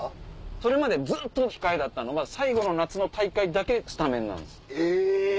それまでずっと控えだったのが最後の夏の大会だけスタメン。